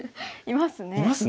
いますね。